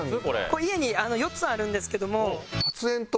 これ家に４つあるんですけども。